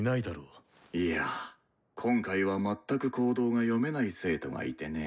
いや今回は全く行動が読めない生徒がいてね。